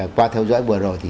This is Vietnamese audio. qua theo dõi vừa rồi thì